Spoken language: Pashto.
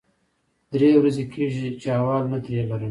درې ورځې کېږي چې احوال نه ترې لرم.